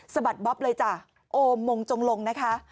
บัดบ๊อบเลยจ้ะโอมมงจงลงนะคะ